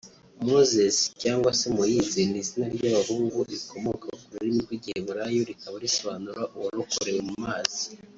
Moses/Moïse ni izina ry’abahungu rikomoka ku rurimi rw’Igiheburayi rikaba risobanura “Uwarokorewe mu mazi